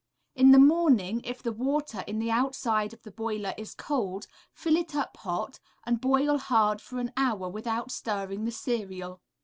In the morning, if the water in the outside of the boiler is cold, fill it up hot, and boil hard for an hour without stirring the cereal.